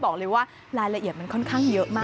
บอกเลยว่ารายละเอียดมันค่อนข้างเยอะมาก